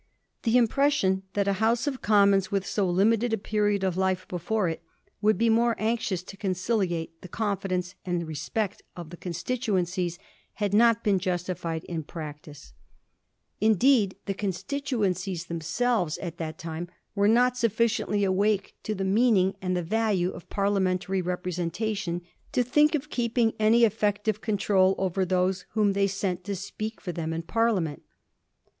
The impression that a House of Commons with so limited a period of life before it would be more anxious to conciliate the confidence and respect of the con stituencies had not been justified in practice. Indeed, Digiti zed by Google 1716. THE TRIENNIAL BILL. 191 the constituencies themselves at that time were not sufficiently awake to the meaning and the value of Parliamentary representation to think of keeping any effective control over those whom they sent to speak for them in Parliament.